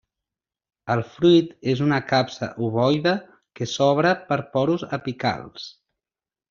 El fruit és una capsa ovoide que s'obre per porus apicals.